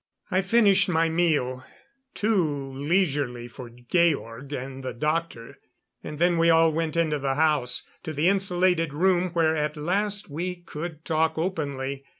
I finished my meal too leisurely for Georg and the doctor; and then we all went into the house, to the insulated room where at last we could talk openly.